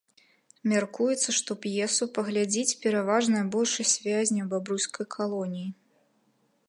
Мяркуецца, што п'есу паглядзіць пераважная большасць вязняў бабруйскай калоніі.